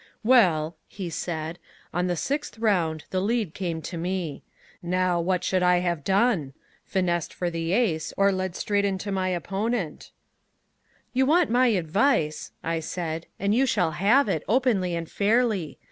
"Well," he said, "on the sixth round the lead came to me. Now, what should I have done? Finessed for the ace, or led straight into my opponent " "You want my advice," I said, "and you shall have it, openly and fairly.